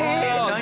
何？